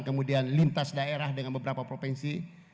kemudian lintas daerah dengan beberapa perusahaan yang berlaku di daerah ini